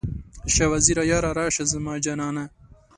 شاه وزیره یاره، راشه زما جانه؟